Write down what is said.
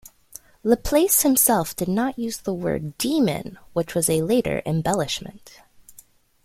Laplace himself did not use the word "demon", which was a later embellishment.